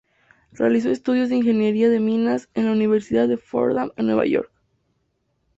Realizó estudios de ingeniería de minas en la Universidad de Fordham, en Nueva York.